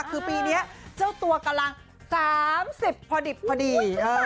คือปีนี้เจ้าตัวกำลัง๓๐พอดิบพอดี